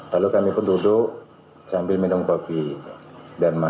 lalu kami pun duduk sambil minum kopi dan makan